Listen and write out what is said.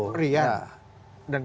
rian dan kawan kawan